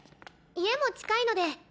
家も近いので。